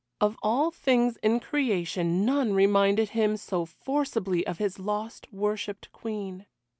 Of all things in creation none reminded him so forcibly of his lost worshipped Queen.